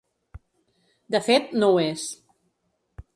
De fet, no ho és.